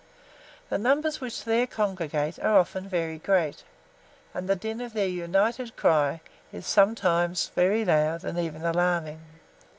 The numbers which there congregate are often very great, and the din of their united cry is sometimes very loud and even alarming.